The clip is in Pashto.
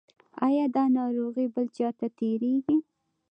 ایا دا ناروغي بل چا ته تیریږي؟